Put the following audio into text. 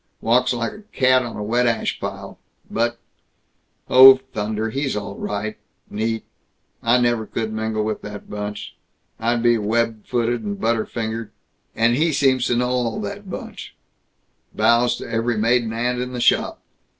Walks like a cat on a wet ash pile. But Oh thunder, he's all right. Neat. I never could mingle with that bunch. I'd be web footed and butter fingered. And he seems to know all that bunch bows to every maiden aunt in the shop.